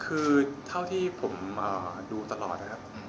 คือเท่าที่ผมดูตลอดนะครับ